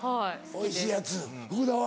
おいしいやつ福田は？